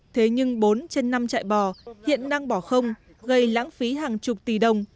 thế nhưng bốn trên năm chạy bò hiện đang bỏ không gây lãng phí hàng chục tỷ đồng